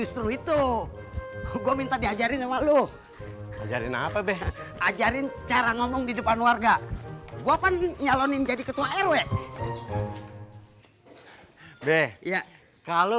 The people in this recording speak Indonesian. sampai jumpa di video selanjutnya